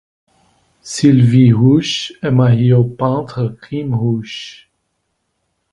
Sylvie Rouch est mariée au peintre Kim Rouch.